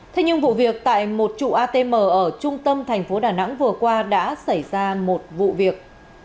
thế nhưng vụ việc tại một trụ atm ở trung tâm thành phố đà nẵng vừa qua đã xảy ra một vụ việc